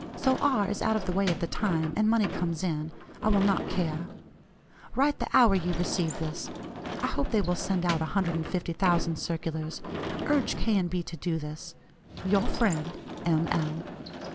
So R. is out of the way at the time, and money comes in, I will not care. Write the hour you receive this. I hope they will send out 150,000 circulars. Urge K. & B. to do this. "Your friend, "M. L."